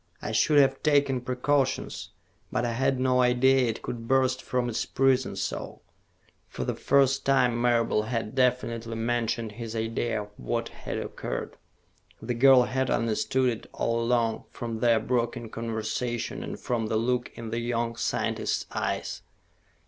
I should have taken precautions. But I had no idea it could burst from its prison so." For the first time Marable had definitely mentioned his idea of what had occurred. The girl had understood it all along, from their broken conversation and from the look in the young scientist's eyes.